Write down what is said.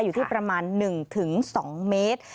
อยู่ที่ประมาณ๑๒เมตร